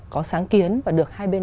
có sáng kiến và được hai bên